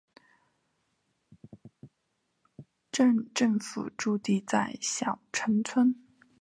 镇政府驻地在筱埕村。